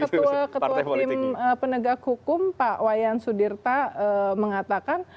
ketua ketua tim penegak hukum pak wayan sudirta mengatakan